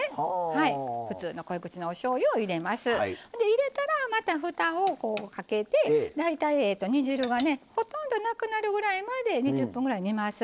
入れたらまたふたをこうかけて大体煮汁がねほとんどなくなるぐらいまで２０分ぐらい煮ます。